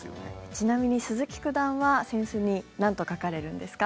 ちなみに、鈴木九段は扇子になんと書かれるんですか？